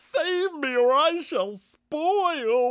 Save me, or I shall spoil!"